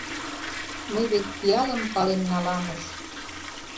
Мый вет пиалым пален наламыс!